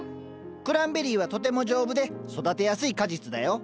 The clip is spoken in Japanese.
クランベリーはとても丈夫で育てやすい果実だよ。